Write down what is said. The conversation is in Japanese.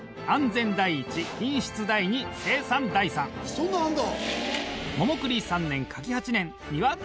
そんなんあんだ。